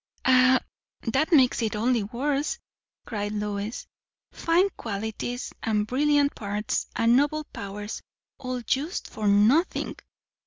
"Ah, that makes it only worse!" cried Lois. "Fine qualities, and brilliant parts, and noble powers, all used for nothing!